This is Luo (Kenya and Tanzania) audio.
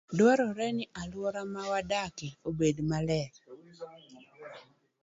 Dwarore ni alwora ma wadakie obed maler.